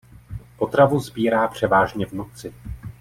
Potravu sbírá převážně v noci.